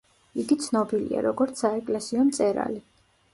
იგი ცნობილია, როგორც საეკლესიო მწერალი.